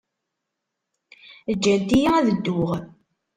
Ǧǧant-iyi ad dduɣ.